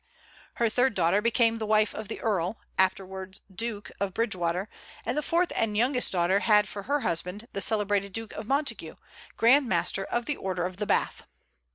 Her third daughter became the wife of the Earl, afterwards Duke, of Bridgewater; and the fourth and youngest daughter had for her husband the celebrated Duke of Montague, grand master of the Order of the Bath.